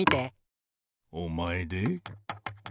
おまえで？